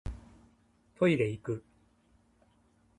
トイレいく